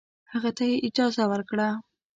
هغه ته یې اجازه ورکړه.